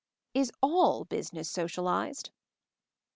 "Is all business socialized?"